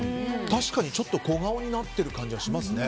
確かにちょっと小顔になっている感じがしますね。